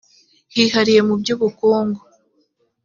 hihariye mu by ubukungu